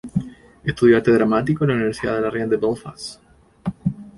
Estudió Arte Dramático en la Universidad de la Reina de Belfast.